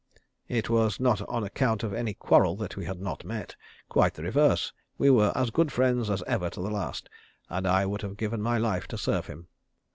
It was not on account of any quarrel that we had not met. Quite the reverse. We were as good friends as ever to the last, and I would have given my life to serve him.